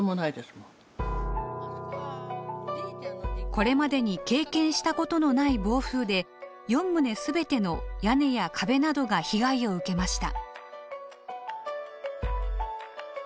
これまでに経験したことのない暴風で４棟全ての屋根や壁などが被害を受けました。